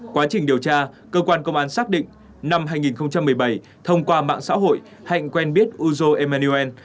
quá trình điều tra cơ quan công an xác định năm hai nghìn một mươi bảy thông qua mạng xã hội hạnh quen biết uzo emaniuel